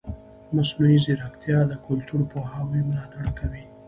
مصنوعي ځیرکتیا د کلتوري پوهاوي ملاتړ کوي.